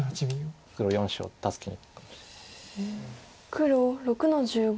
黒６の十五。